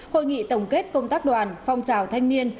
hội nghị tổng kết công tác đoàn phong trào thanh niên